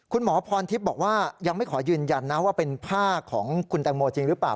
คุณหมอพรทิพย์บอกว่ายังไม่ขอยืนยันนะว่าเป็นผ้าของคุณแตงโมจริงหรือเปล่า